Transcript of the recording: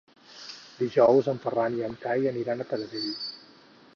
Dijous en Ferran i en Cai aniran a Taradell.